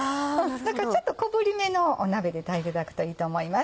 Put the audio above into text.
だから小ぶりめの鍋で炊いていただくといいと思います。